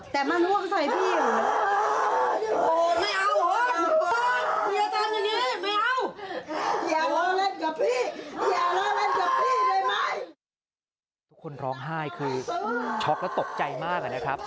ทุกคนร้องไห้คือช็อกแล้วตกใจมากนะครับ